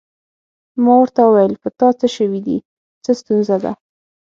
ما ورته وویل: په تا څه شوي دي؟ څه ستونزه ده؟